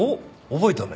覚えたね。